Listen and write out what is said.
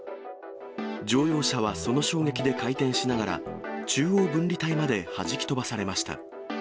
乗用車はその衝撃で回転しながら、中央分離帯まではじき飛ばされました。